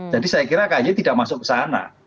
jadi saya kira kay tidak masuk ke sana